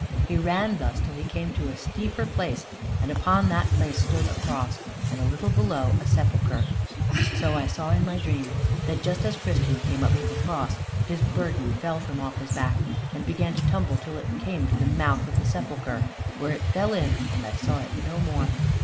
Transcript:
He ran thus till he came to a steeper place, and upon that place stood a Cross, and a little below, a Sepulcher. So I saw in my dream that just as Christian came up to the Cross his burden fell from off his back, and began to tumble till it came to the mouth of the Sepulcher, where it fell in and I saw it no more.